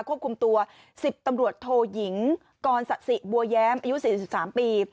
ควบคุมตัว๑๐ตำรวจโทยิงกรสะสิบัวแย้มอายุ๔๓ปี